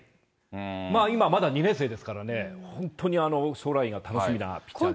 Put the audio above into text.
今まだ２年生ですからね、本当に将来が楽しみなピッチャーです。